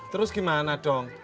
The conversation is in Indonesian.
terus gimana dong